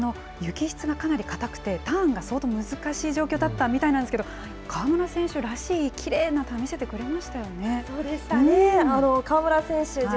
雪質がかなりかたくて、ターンがすごく難しい状況だったみたいなんですけど、川村選手らしいきれいなターン見せてくれましたよね。